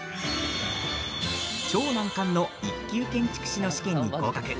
超難関の１級建築士の試験に合格。